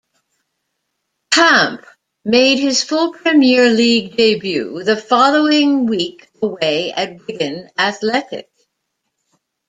Camp made his full Premier League debut the following week away at Wigan Athletic.